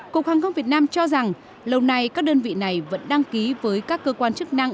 cục hàng không việt nam cho rằng lâu nay các đơn vị này vẫn đăng ký với các cơ quan chức năng